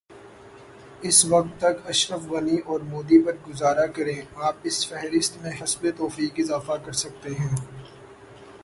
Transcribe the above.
اس وقت تک اشرف غنی اورمودی پر گزارا کریں آپ اس فہرست میں حسب توفیق اضافہ کرسکتے ہیں۔